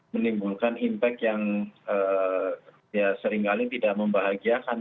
menimbulkan impact yang ya seringkali tidak membahagiakan